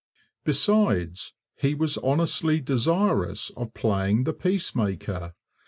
Besides, he was honestly desirous of playing the peacemaker.